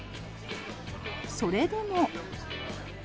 それでも。